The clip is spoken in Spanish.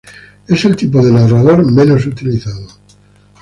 Es el tipo de narrador menos utilizado.